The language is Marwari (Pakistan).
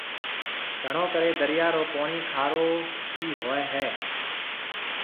گھڻو ڪريَ دريا رو پوڻِي کارو ئِي هوئي هيَ۔